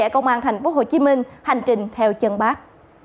công an tp hcm hành trình theo chân bác